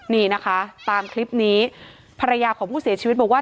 นี่นะคะตามคลิปนี้ภรรยาของผู้เสียชีวิตบอกว่า